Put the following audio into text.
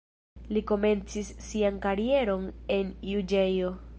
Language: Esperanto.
Li komencis sian karieron en juĝejo.